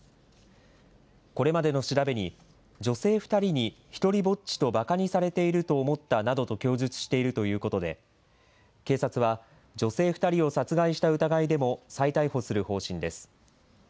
これまでの調べに、女性２人に独りぼっちとばかにされていると思ったなどと供述しているということで、警察は、女性２人を殺害した疑いでも再逮捕する方針です。